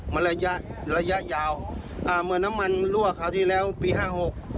มันระยะระยะยาวอ่าเหมือนน้ำมันรั่วคราวที่แล้วปีห้าหก